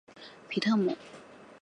皮特姆。